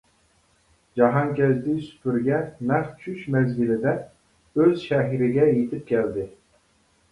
جاھانكەزدى سۈپۈرگە نەق چۈش مەزگىلىدە ئۆز شەھىرىگە يېتىپ كەلدى.